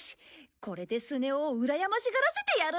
これでスネ夫をうらやましがらせてやる！